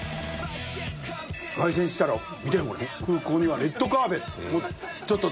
凱旋したら見てこれ空港にはレッドカーペット。